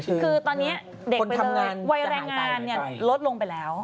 คือตอนนี้เด็กไปเลยเวลาครั้งงานรถลงไปแล้ว